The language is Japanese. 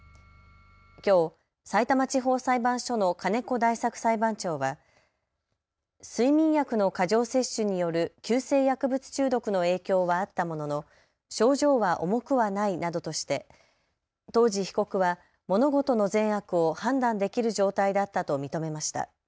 きょう、さいたま地方裁判所の金子大作裁判長は睡眠薬の過剰摂取による急性薬物中毒の影響はあったものの症状は重くはないなどとして当時、被告は物事の善悪を判断できる状態だったと認めました。